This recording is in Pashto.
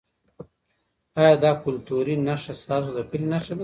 ایا دا کلتوري نښه ستاسو د کلي نښه ده؟